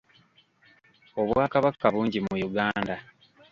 Obwakabaka bungi mu Uganda.